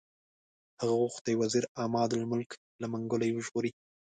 هغه غوښتي وزیر عمادالملک له منګولو یې وژغوري.